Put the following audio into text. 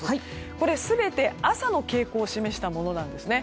これ、全て朝の傾向を示したものなんですね。